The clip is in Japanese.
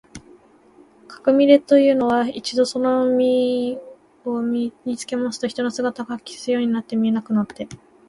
かくれみのというのは、一度そのみのを身につけますと、人の姿がかき消すように見えなくなって、